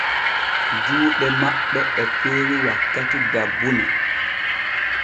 Juuɗe maɓɓ e feewi wakkati dabbune.